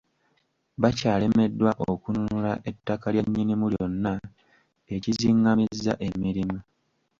Bakyalemeddwa okununula ettaka lya Nnyinimu lyonna, ekizingamizza emirimu.